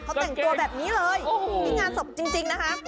เขาแต่งตัวแบบนี้เลยนี่งานศพจริงนะคะ